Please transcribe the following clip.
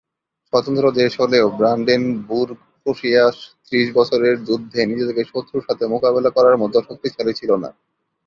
স্বতন্ত্র দেশ হলেও ব্রান্ডেনবুর্গ-প্রুশিয়া ত্রিশ বছরের যুদ্ধে নিজেকে শত্রুর সাথে মোকাবেলা করার মত শক্তিশালী ছিল না।